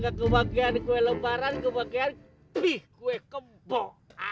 gak kebagian kue lembaran kebagian pih kue kembuk